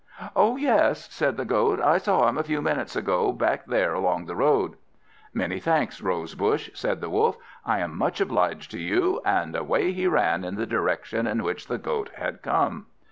"Oh yes," said the Goat, "I saw him a few minutes ago back there along the road." "Many thanks, Rose bush," said the Wolf; "I am much obliged to you," and away he ran in the direction in which the Goat had come.